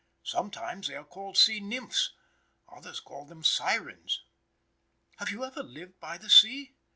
Sometimes they are called sea nymphs; others call them sirens. Have you ever lived by the sea?